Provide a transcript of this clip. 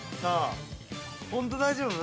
◆本当、大丈夫？